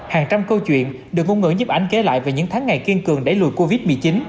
hàng trăm câu chuyện được ngôn ngữ nhếp ảnh kể lại về những tháng ngày kiên cường đẩy lùi covid một mươi chín